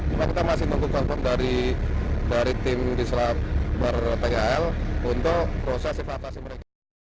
tapi kita masih tunggu kompon dari tim diselambar tni aal untuk proses evakuasi mereka